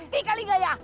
kita harus ke rumah